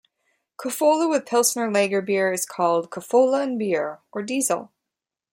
Kofola with pilsner lager beer is called "Kofola 'n' Beer" or "Diesel".